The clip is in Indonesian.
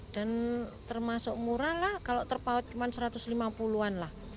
dan termasuk murah lah kalau terpaut cuma satu ratus lima puluh an lah